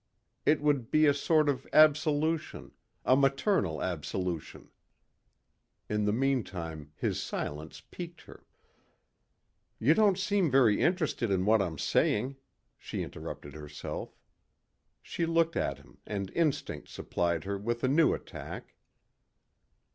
It would be a sort of absolution a maternal absolution. In the meantime his silence piqued her. "You don't seem very interested in what I'm saying," she interrupted herself. She looked at him and instinct supplied her with a new attack.